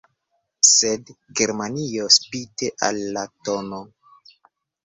Sed Germanio spite al la tn.